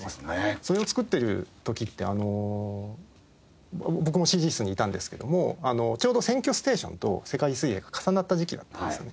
それを作ってる時って僕もＣＧ室にいたんですけどもちょうど『選挙ＳＴＡＴＩＯＮ』と『世界水泳』が重なった時期だったんですよね。